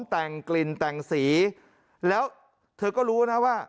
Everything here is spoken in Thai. แต่งกลิ่นแต่งสีแล้วเธอก็รู้นะว่า